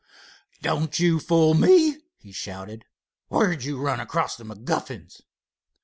"Don't you fool me!" he shouted. "Where did you run across the MacGuffins?"